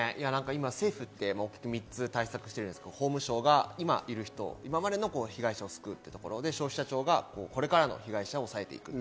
今、政府は大きく３つの対策をしているんですが、法務省が今いる人、今までの被害者を救うというところ、消費者庁がこれからの被害者を抑えていく。